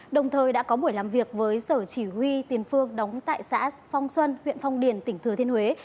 đồng thời đã có buổi làm việc với sở chỉ huy tiền phương đóng tại xã phong xuân huyện phong điền tỉnh thừa thiên huế